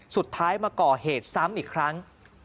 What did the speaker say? สุดท้ายมาก่อเหตุซ้ำอีกครั้ง